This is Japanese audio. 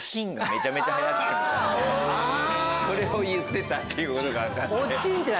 それを言ってたって分かって。